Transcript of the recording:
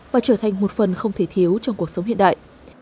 và trở thành một phần không thể thiếu trong cuộc sống hiện đại